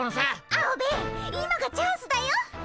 アオベエ今がチャンスだよっ。